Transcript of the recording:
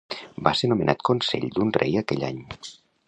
Va ser nomenat Consell d'un rei aquell any.